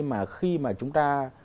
mà khi mà chúng ta